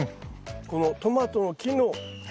このトマトの木の上で。